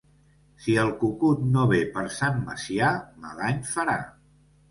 Si el cucut no ve per Sant Macià, mal any farà.